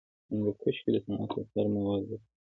هندوکش د صنعت لپاره مواد برابروي.